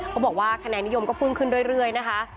เขาบอกว่าคะแนนนิยมก็พุ่งขึ้นเรื่อยนะคะ